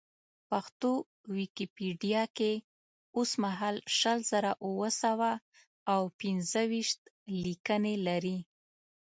پښتو ویکیپېډیا کې اوسمهال شل زره اوه سوه او پېنځه ویشت لیکنې لري.